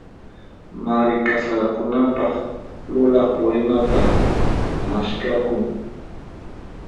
Mari kasarakunanpaq, lulaq waynata maskhakun.